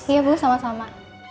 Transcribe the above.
iya bu sama sama